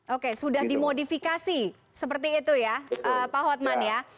oke sudah dimodifikasi seperti itu ya pak hotman ya